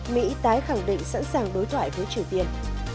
mỹ tái khẳng định sẵn sàng đối thoại với triều tiên